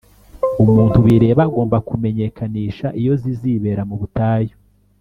Umuntu bireba agomba kumenyekanisha iyo zizibera mu butayu